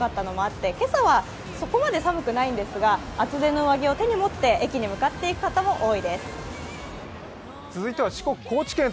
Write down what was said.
昨日の夜、少し寒かったのもあって今朝はそこまで寒くないんですが厚手の上着を手に持って駅に向かっていく方も多いです。